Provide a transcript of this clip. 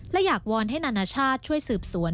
และอยากวอนให้นานาชาติช่วยสืบสวน